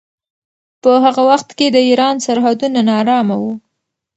په هغه وخت کې د ایران سرحدونه ناارامه وو.